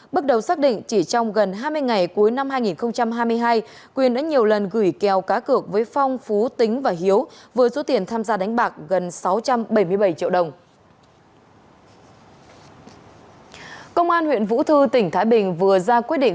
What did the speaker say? bước đầu xác định chỉ trong gần hai mươi ngày cuối năm hai nghìn hai mươi hai quyên đã nhiều lần gửi kèo cá cược với phong phú tính và hiếu với số tiền tham gia đánh bạc gần sáu trăm bảy mươi bảy triệu đồng